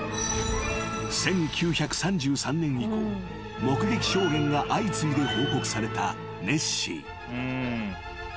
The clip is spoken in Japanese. ［１９３３年以降目撃証言が相次いで報告されたネッシー］